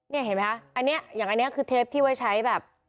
นี่เห็นไหมครับอย่างอันนี้คือเทปที่ไว้ใช้แบบ